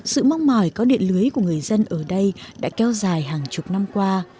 sự mong mỏi có điện lưới của người dân ở đây đã kéo dài hàng chục năm qua